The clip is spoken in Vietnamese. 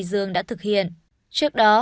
dương đã thực hiện trước đó